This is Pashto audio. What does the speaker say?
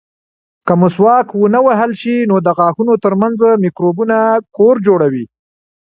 که مسواک ونه وهل شي، نو د غاښونو ترمنځ مکروبونه کور جوړوي.